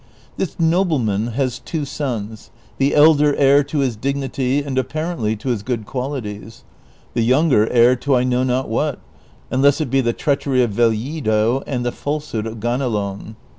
This nobleman has two sons, the elder heir to his dignity and ap parently to his good qualities ; the younger heir to I know not what, unless it be the treachery of Vellido and the falsehood of (ianelon.'